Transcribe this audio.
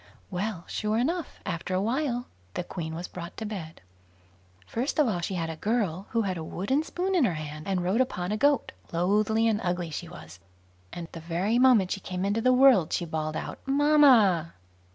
Well, sure enough, after a while the Queen was brought to bed. First of all, she had a girl who had a wooden spoon in her hand, and rode upon a goat; loathly and ugly she was, and the very moment she came into the world, she bawled out "Mamma".